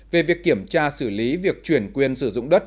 về việc kiểm tra xử lý việc chuyển quyền sử dụng đất